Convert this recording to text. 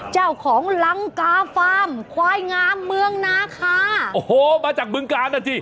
เจ้าของลังกาฟาร์มควายงามเมืองนาคามาจากเบื้องกาดั๊ยจิ